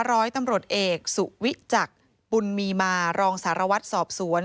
ร้อยตำรวจเอกสุวิจักรบุญมีมารองสารวัตรสอบสวน